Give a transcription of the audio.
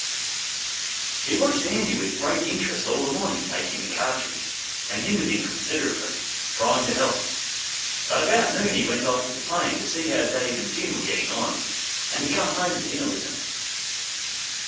He watched Andy with great interest all the morning making the cartridge, and hindered him considerably, trying to help; but about noon he went off to the claim to see how Dave and Jim were getting on, and to come home to dinner with them.